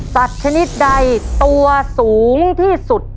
สัตว์ชนิดใดตัวสูงที่สุด